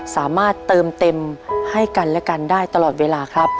สามารถเติมเต็มให้กันและกันได้ต่อไป